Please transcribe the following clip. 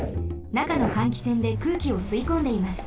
なかの換気扇で空気をすいこんでいます。